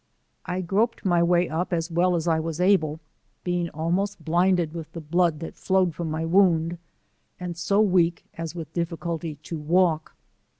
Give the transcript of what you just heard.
I groped my way up as well as I was able being almost blinded with the blood that flowed from my wound, and so 'veak as with difficulty to walk.